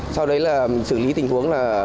sau đấy là xử lý tình huống